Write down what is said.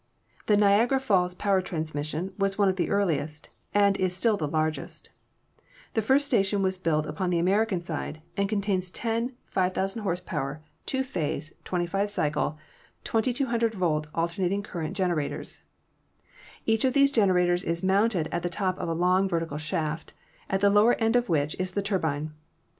The Niagara Falls Power Transmission was one of the earliest, and is still the largest. The first station was built on the American side, and contains ten 5,ooo hp., 220 ELECTRICITY two phase, 25 cycle, 2,200 volt alternating current genera tors. Each of these generators is mounted at the top of a long, vertical shaft, at the lower end of which is the turbine.